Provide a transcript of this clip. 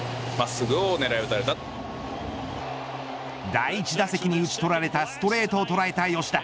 第１打席に打ち取られたストレートを捉えた吉田。